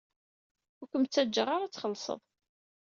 Ur kem-ttaǧǧaɣ ara ad txellṣeḍ.